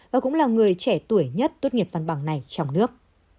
và cũng là người trẻ tuổi nhất tốt nghiệp văn bằng này trong nước